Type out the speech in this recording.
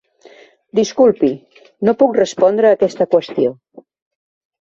Disculpi, no puc respondre aquesta qüestió.